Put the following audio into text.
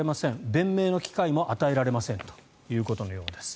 弁明の機会も与えられませんということのようです。